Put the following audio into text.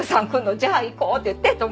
じゃあ行こうって言って。